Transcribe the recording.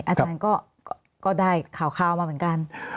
อาจารย์ก็ได้ข่าวมาเหมือนกัน